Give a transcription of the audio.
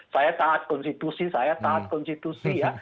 saya taat konstitusi saya taat konstitusi ya